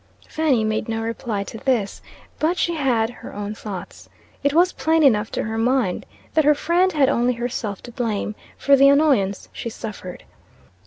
Fanny made no reply to this. But she had her own thoughts. It was plain enough to her mind, that her friend had only herself to blame, for the annoyance she suffered.